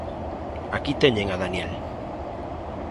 Aquí teñen a Daniel.